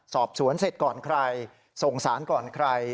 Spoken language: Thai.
สอบสวนเสร็จก่อนใครส่งสารก่อนใคร